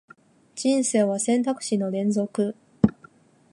人生は選択肢の連続